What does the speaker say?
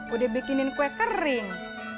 udah bikinin kue kering